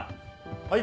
はい。